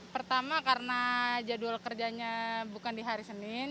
pertama karena jadwal kerjanya bukan di hari senin